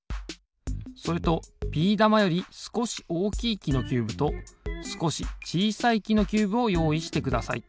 それとビー玉よりすこしおおきいきのキューブとすこしちいさいきのキューブをよういしてください。